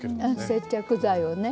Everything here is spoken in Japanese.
接着剤をね。